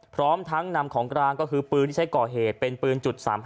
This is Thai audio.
พร้อมทั้งนำของกลางก็คือปืนที่ใช้ก่อเหตุเป็นปืน๓๕